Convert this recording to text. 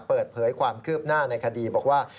เปิดเผยความคืบหน้าในคดีบอกว่า